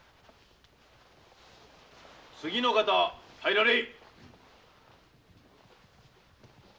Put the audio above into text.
次の方入られい